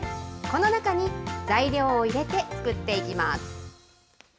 この中に、材料を入れて作っていきます。